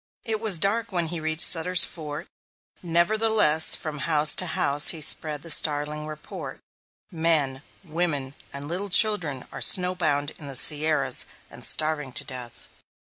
It was dark when he reached Sutter's Fort, nevertheless from house to house he spread the startling report: "Men, women, and little children are snow bound in the Sierras, and starving to death!"